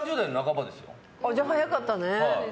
じゃあ、早かったね。